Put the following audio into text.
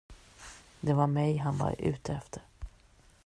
Det var mig han var ute efter.